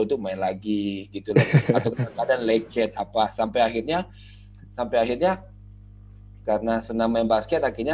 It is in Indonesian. itu main lagi gitu loh keadaan lecet apa sampai akhirnya sampai akhirnya karena senang main basket akhirnya